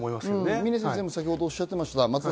峰先生もおっしゃっていました。